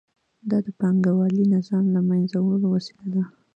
دا د پانګوالي نظام د له منځه وړلو وسیله ده